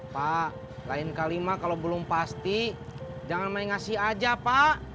pak lain kalima kalau belum pasti jangan main ngasih aja pak